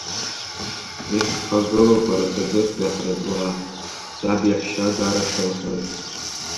Исхагылоуп Арасаӡыхьтәи ҳраҵла, саб иаҳәшьа Агарашәа лҳәоит.